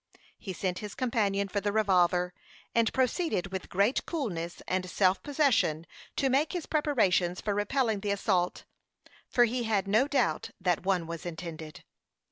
He sent his companion for the revolver, and proceeded with great coolness and self possession to make his preparations for repelling the assault, for he had no doubt that one was intended.